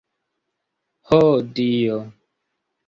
Ho Dio!